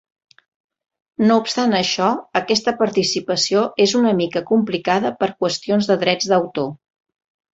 No obstant això, aquesta participació és una mica complicada per qüestions de drets d'autor.